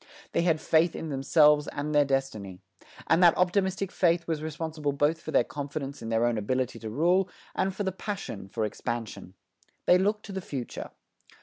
They had faith in themselves and their destiny. And that optimistic faith was responsible both for their confidence in their own ability to rule and for the passion for expansion. They looked to the future.